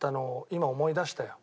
今思い出したよ。